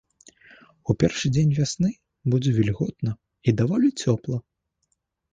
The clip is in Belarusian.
У першы дзень вясны будзе вільготна і даволі цёпла.